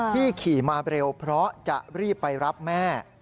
ขี่มาเร็วเพราะจะรีบไปรับแม่